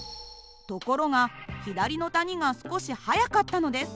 ところが左の谷が少し速かったのです。